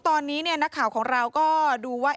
ตอนนี้นักข่าวของเราก็ดูว่า